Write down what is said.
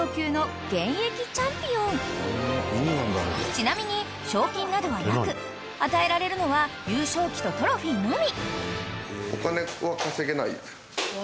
［ちなみに賞金などはなく与えられるのは優勝旗とトロフィーのみ］